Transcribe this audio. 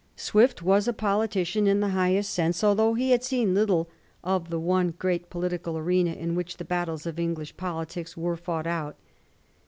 Swift was a politician in the highest sense, although he had seen little of the one great political arena in which the battles of English parties were fought out.